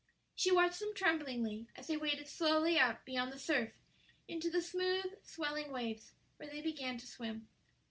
She watched them tremblingly as they waded slowly out beyond the surf into the smooth, swelling waves, where they began to swim.